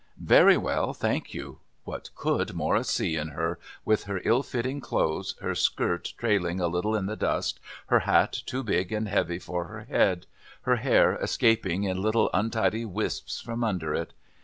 "Very well, thank you." What could Morris see in her, with her ill fitting clothes, her skirt trailing a little in the dust, her hat too big and heavy for her head, her hair escaping in little untidy wisps from under it?